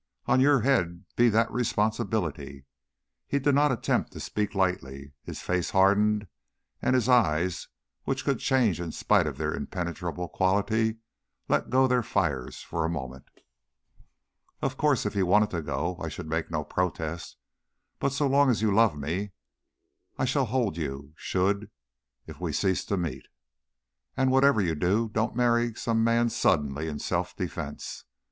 On your head be that responsibility." He did not attempt to speak lightly. His face hardened, and his eyes, which could change in spite of their impenetrable quality, let go their fires for a moment. "Of course, if you wanted to go, I should make no protest. But so long as you love me I shall hold you should, if we ceased to meet. And whatever you do, don't marry some man suddenly in self defence.